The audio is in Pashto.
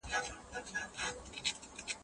دا څېړنه به ستا علمي بصیرت ته نوی رنګ ورکړي.